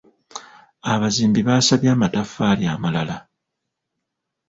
Abazimbi baasabye amataffaali amalala.